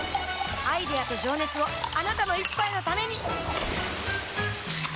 アイデアと情熱をあなたの一杯のためにプシュッ！